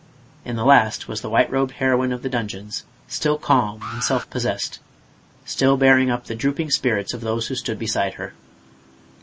In the last was the white robed heroine of the dungeons, still calm and self possessed, still bearing up the drooping spirits of those who stood beside her.